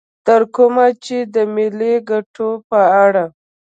تر کومه چې د ملي ګټو په اړه